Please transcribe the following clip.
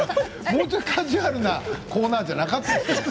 もっとカジュアルなコーナーじゃなかったんですか。